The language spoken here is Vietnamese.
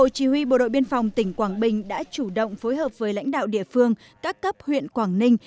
chỉ huy bộ đội biên phòng tỉnh quảng bình đã chủ động phối hợp với lãnh đạo địa phương các cấp huyện quảng ninh